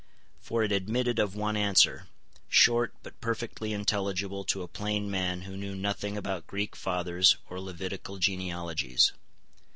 For it admitted of one answer, short, but perfectly intelligible to a plain man who knew nothing about Greek fathers or Levitical genealogies.